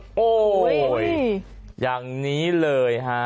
โอ้โหอย่างนี้เลยฮะ